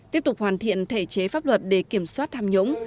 tiếp tục hoàn thiện thể chế pháp luật để kiểm soát tham nhũng